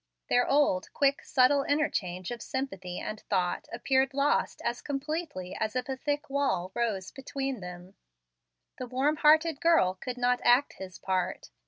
Their old, quick, subtile interchange of sympathy and thought appeared lost as completely as if a thick wall rose between them. The warm hearted girl could not act his part.